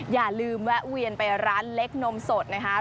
อย่าลืมแวะเวียนไปร้านเล็กนมสดนะคะ